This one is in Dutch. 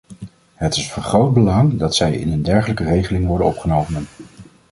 Het is van groot belang dat zij in een dergelijke regeling worden opgenomen.